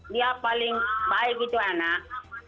dia paling baik itu anak